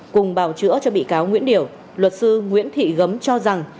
cùng bào chữa cho bị cáo nguyễn điểu luật sư nguyễn thị gấm cho rằng